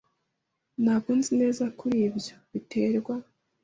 Ntabwo nzi neza kuri ibyo. Biterwa.